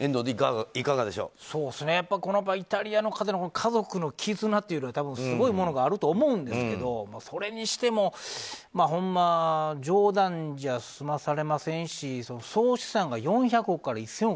このイタリアの方の家族の絆というものはすごいものがあると思いますがそれにしてもほんま冗談じゃ済まされませんし総資産が４００億から１０００億